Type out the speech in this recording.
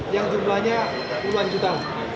yang jumlahnya puluhan juta